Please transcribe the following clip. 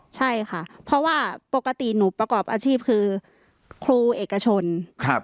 ใช่ค่ะเพราะว่าปกติหนูประกอบอาชีพคือครูเอกชน